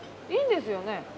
いいんですよね？